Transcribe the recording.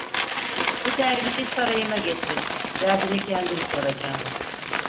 Bu dervişi sarayıma getirin, derdini kendim soracağım.